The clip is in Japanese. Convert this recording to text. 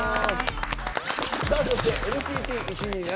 そして、ＮＣＴ１２７。